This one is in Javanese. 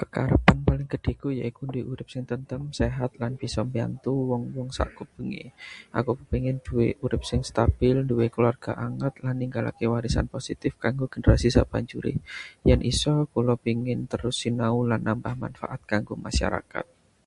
Kekarepan paling gedheku yaiku nduwé urip sing tentrem, sehat, lan bisa mbiyantu wong-wong sakupenge. Aku kepéngin gawé urip sing stabil, nduwé kulawarga anget, lan ninggalaké warisan positif kanggo generasi sabanjuré. Yen isa, kula pengin terus sinau lan nambah manfaat kanggo masyarakat.